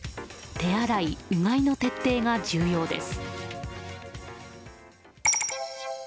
手洗い・うがいの徹底が重要です。